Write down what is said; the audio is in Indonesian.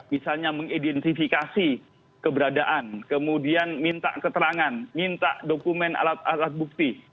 misalnya mengidentifikasi keberadaan kemudian minta keterangan minta dokumen alat alat bukti